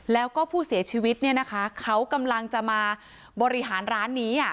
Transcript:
แล้วก็ผู้เสียชีวิตเนี่ยนะคะเขากำลังจะมาบริหารร้านนี้